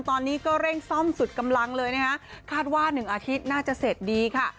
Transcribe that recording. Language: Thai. ตอนนี้ก็เร่งซ่อมสุดกำลังเลยนะคะคาดว่า๑อาทิตย์น่าจะเสร็จดีค่ะ